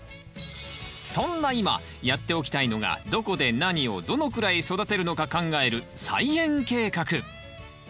そんな今やっておきたいのがどこで何をどのくらい育てるのか考える菜園計画。